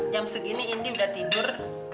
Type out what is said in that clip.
jam segini indi udah tidur